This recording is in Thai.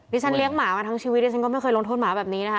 ฉันเลี้ยงหมามาทั้งชีวิตดิฉันก็ไม่เคยลงโทษหมาแบบนี้นะคะ